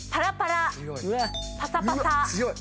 パサパサ。